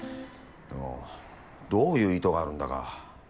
でもどういう意図があるんだか。